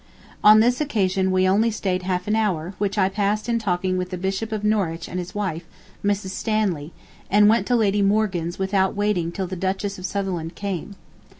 On this occasion we only stayed half an hour, which I passed in talking with the Bishop of Norwich and his wife, Mrs. Stanley, and went to Lady Morgan's without waiting till the Duchess of Sutherland came.